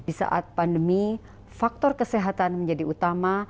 di saat pandemi faktor kesehatan menjadi utama